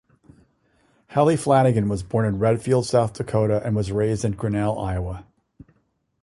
Hallie Flanagan was born in Redfield, South Dakota, and was raised in Grinnell, Iowa.